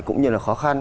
cũng như là khó khăn